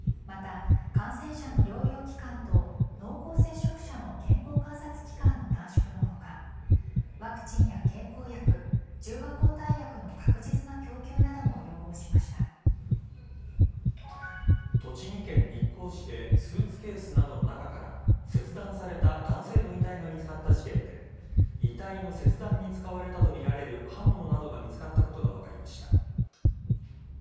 また、感染者の療養期間と濃厚接触者の健康観察期間の短縮の他ワクチンや経口薬中和抗体薬の確実な供給なども栃木県日光市でスーツケースなどの中から切断された男性の遺体が見つかった事件で遺体の切断に使われたとみられる刃物などが見つかったことが分かりました。